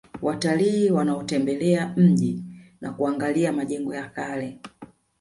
Watalii wanaotembelea mji na kuangalia majengo ya kale